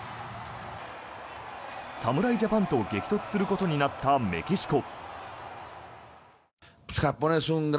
侍ジャパンと激突することになったメキシコ。